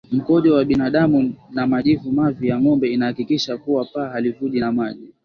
mkojo wa binadamu na majivu Mavi ya ngombe inahakikisha kuwa paa halivuji na maji